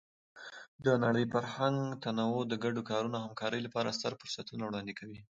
د نړۍ فرهنګي تنوع د ګډو کارونو او همکارۍ لپاره ستر فرصتونه وړاندې کوي.